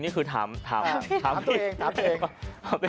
นี่คือถามตัวเอง